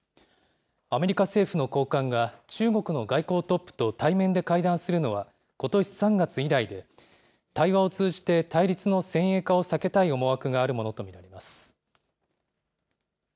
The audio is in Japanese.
アメリカ政府の高官が、中国の外交トップと対面で会談するのはことし３月以来で、対話を通じて対立の先鋭化を避けたい思惑があるものと見られます。